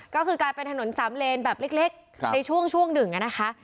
ก็คือกลายเป็นถนนสามเลนแบบเล็กในช่วงหนึ่งนะคะ